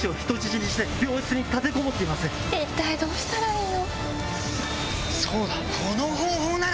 ・・一体どうしたらいいの？